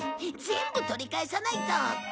全部取り返さないと！